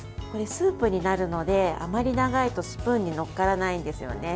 スープになるので、あまり長いとスプーンに載っからないんですよね。